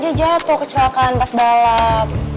dia jatuh kecelakaan pas balap